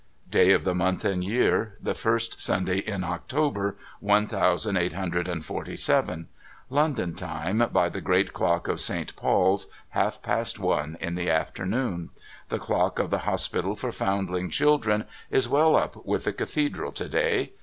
Day of the month and year, the first Sunday in October, one thousand eiglit hundred and forty seven. London Time by the great clock of Saint Paul's, half past one in the afternoon. The clock of the Hospital for P'oundling Children is well up with the Cathedral to day.